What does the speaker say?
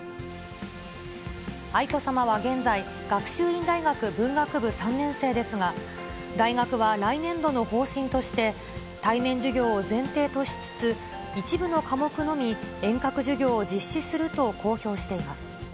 愛子さまは現在、学習院大学文学部３年生ですが、大学は来年度の方針として、対面授業を前提としつつ、一部の科目のみ遠隔授業を実施すると公表しています。